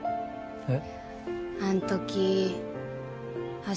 えっ？